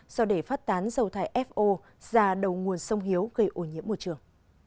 do để phát tán dầu thải fo ra đầu nguồn sông hiếu gây ô nhiễm môi trường